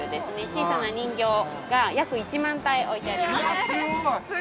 小さな人形が、約１万体置いてあります。